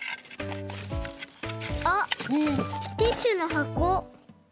あっティッシュのはこ。